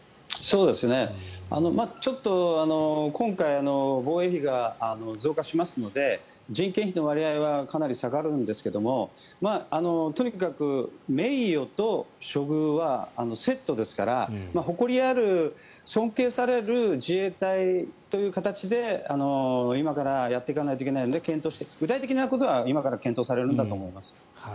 ちょっと今回防衛費が増加しますので人件費の割合はかなり下がるんですけどもとにかく名誉と処遇はセットですから誇りある、尊敬される自衛隊という形で今からやっていかないといけないので具体的なことは今から検討されるんだと思います。